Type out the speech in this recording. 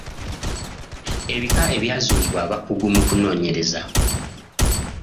Ebika ebyazuulibwa abakugu mu kunoonyereza.